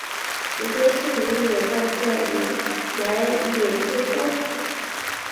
许多市民也到这里来野炊烧烤。